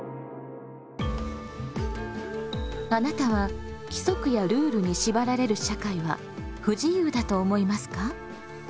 あなたは規則やルールに縛られる社会は不自由だと思いますか？